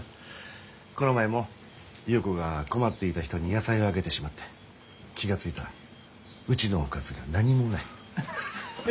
この前も優子が困っていた人に野菜をあげてしまって気が付いたらうちのおかずが何もない。